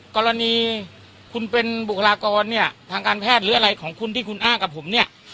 กรณีคุณเป็นบุคลากรเนี่ยทางการแพทย์หรืออะไรของคุณที่คุณอ้างกับผมเนี่ย